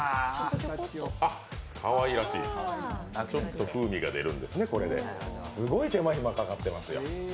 かわいらしい、ちょっと風味が出るんですね、すごい手間暇かかっていますよ。